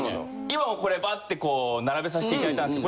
今もこれバッてこう並べさせて頂いたんです。